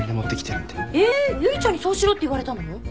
えっゆりちゃんにそうしろって言われたの？